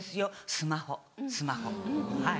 スマホスマホはい。